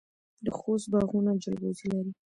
د خوست باغونه جلغوزي لري.